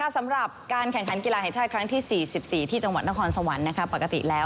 สำหรับการแข่งขันกีฬาแห่งชาติครั้งที่๔๔ที่จังหวัดนครสวรรค์ปกติแล้ว